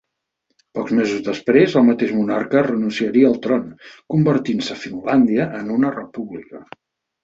Pocs mesos després, el mateix monarca renunciaria al tron, convertint-se Finlàndia en una república.